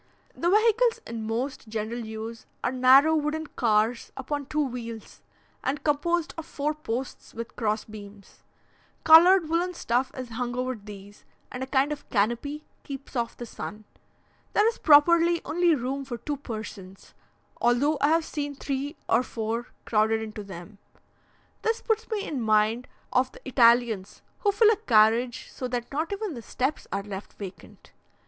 The vehicles in most general use are narrow, wooden cars upon two wheels, and composed of four posts with cross beams. Coloured woollen stuff is hung over these, and a kind of canopy keeps off the sun. There is properly only room for two persons, although I have seen three or four crowded into them. This put me in mind of the Italians, who fill a carriage so that not even the steps are left vacant.